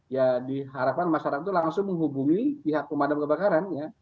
ya diharapkan masyarakat itu langsung menghubungi pihak pemadam kebakaran ya